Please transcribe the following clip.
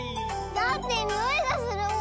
だってにおいがするもん。